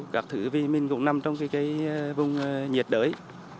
các thử viên cũng nằm trong vùng nhiệt đới